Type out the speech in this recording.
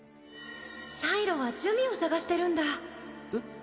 シャイロは珠魅を捜してえっ？